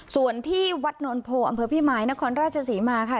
ส่วนที่วัดนวลโพอำเภอพี่มายนครราชศรีมาค่ะ